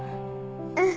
うん！